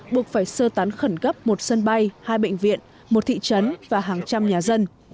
buộc phải sơ tán khẩn cấp một sân bay hai bệnh viện một thị trấn và hàng trăm nhà dân